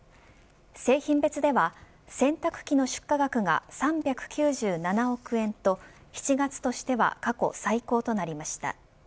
製品別では洗濯機の出荷額が３９７億円と７月としては過去最高となりました。